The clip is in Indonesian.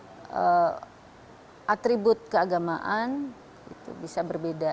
atau atribut keagamaan bisa berbeda